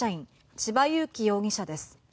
千葉裕生容疑者です。